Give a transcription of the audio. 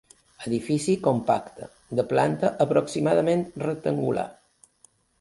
Edifici compacte de planta aproximadament rectangular.